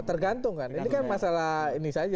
tergantung kan ini kan masalah ini saja